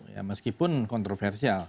ya meskipun kontroversial